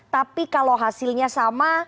tapi kalau hasilnya sama